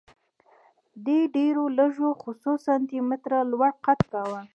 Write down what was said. دې ډېرو لږو څو سانتي متره لوړ قد کاوه